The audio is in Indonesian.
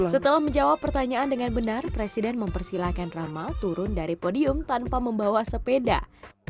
setelah menjawab pertanyaan dengan benar presiden mempersilahkan rama turun dari podium tanpa membawa sepeda